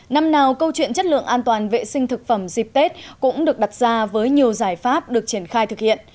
năm nào câu chuyện chất lượng an toàn vệ sinh thực phẩm dịp tết cũng được đặt ra với nhiều giải pháp được triển khai thực hiện